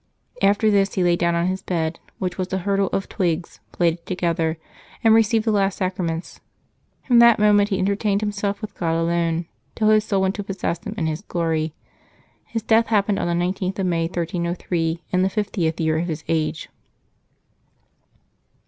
After this he lay down on his bed, which was a hurdle of twigs plaited together, and received the last sacra ments. From that moment he entertained himself with God alone, till his soul went to possess Him in His glory. His death happened on the 19th of May, 1303, in the fiftieth year of his age.